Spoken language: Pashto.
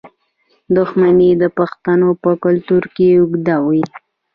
دښمني د پښتنو په کلتور کې اوږده وي.